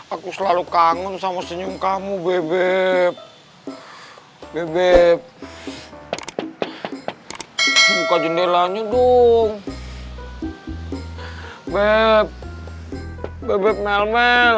aku selalu kangen sama senyum kamu bebek bebek buka jendelanya dong web web melmel